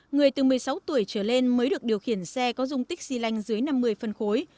người từ một mươi sáu tuổi trở lên mới được điều khiển xe có dung tích xy lanh dưới năm mươi phân khối